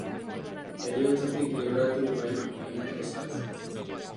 Heriotzatik libratu bai, baina ez kartzelatik.